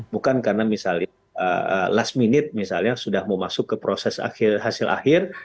bukan karena misalnya last minute misalnya sudah mau masuk ke proses hasil akhir